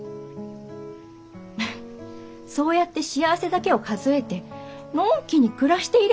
フッそうやって幸せだけを数えてのんきに暮らしていればいい！